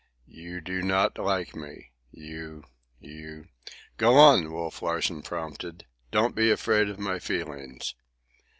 "You do not like me. You—you—" "Go on," Wolf Larsen prompted. "Don't be afraid of my feelings."